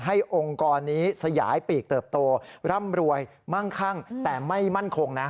องค์กรนี้สยายปีกเติบโตร่ำรวยมั่งคั่งแต่ไม่มั่นคงนะ